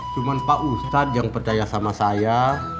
cuma pak ustadz yang percaya sama saya